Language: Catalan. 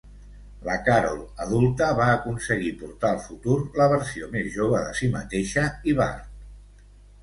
La Carol adulta va aconseguir portar al futur la versió més jove de si mateixa i Bart.